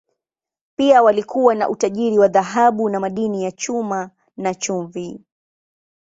Pia walikuwa na utajiri wa dhahabu na madini ya chuma, na chumvi.